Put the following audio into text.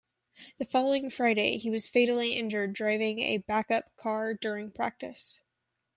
The following Friday he was fatally injured driving a back-up car during practice.